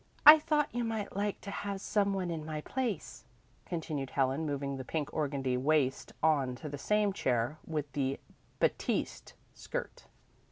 "I thought you might like to have some one in my place," continued Helen, moving the pink organdie waist on to the same chair with the batiste skirt.